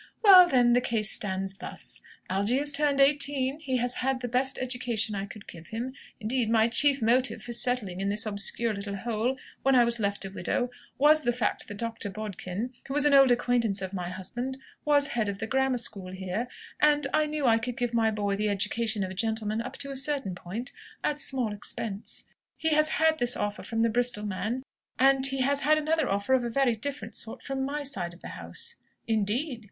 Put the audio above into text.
"Well, then, the case stands thus; Algy is turned eighteen; he has had the best education I could give him indeed, my chief motive for settling in this obscure little hole, when I was left a widow, was the fact that Dr. Bodkin, who was an old acquaintance of my husband, was head of the Grammar School here, and I knew I could give my boy the education of a gentleman up to a certain point at small expense. He has had this offer from the Bristol man, and he has had another offer of a very different sort from my side of the house." "Indeed!"